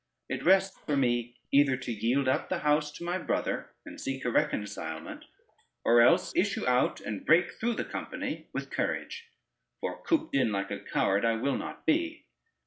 It rests for me either to yield up the house to my brother and seek a reconcilement, or else issue out, and break through the company with courage, for cooped in like a coward I will not be.